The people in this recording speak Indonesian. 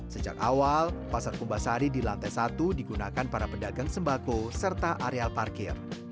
sejak awal pasar kumbasari di lantai satu digunakan para pedagang sembako serta areal parkir